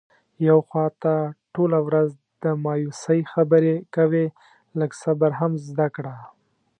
یو خو ته ټوله ورځ د مایوسی خبرې کوې. لږ صبر هم زده کړه.